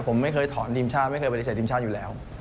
ผมไม่เคยถอนทีมชาติไม่เคยปฏิเสธทีมชาติอยู่แล้ว